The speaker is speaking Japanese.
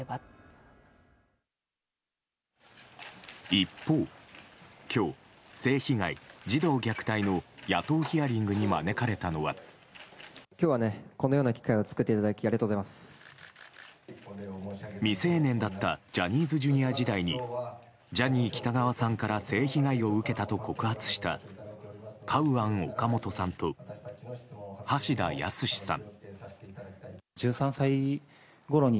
一方、今日性被害・児童虐待の野党ヒアリングに招かれたのは。未成年だったジャニーズＪｒ．時代にジャニー喜多川さんから性被害を受けたと告発したカウアン・オカモトさんと橋田康さん。